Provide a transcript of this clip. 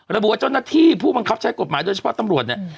ระบุว่าเจ้าหน้าที่ผู้บังคับใช้กฎหมายโดยเฉพาะตำรวจเนี่ย